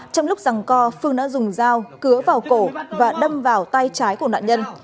trong lúc giằng co phương đã dùng dao cửa vào cổ và đâm vào tay trái của nạn nhân